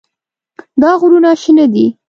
دا غرونه شنه دي.